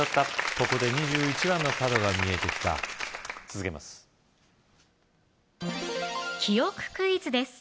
ここで２１番の角が見えてきた続けます記憶クイズです